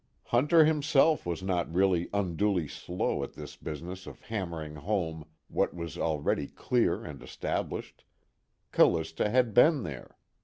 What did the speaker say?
Hunter himself was not really unduly slow at this business of hammering home what was already clear and established: Callista had been there.